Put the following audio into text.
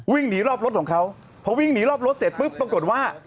วิ่งหนีรอบรถของเขาพอวิ่งหนีรอบรถเสร็จปุ๊บปรากฏว่า